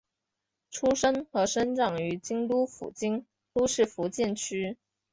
出身和生长于京都府京都市伏见区。